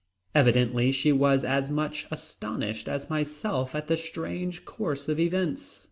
Evidently she was as much astonished as myself at the strange course of events.